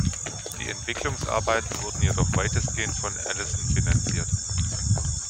Die Entwicklungsarbeiten wurden jedoch weitestgehend von Allison finanziert.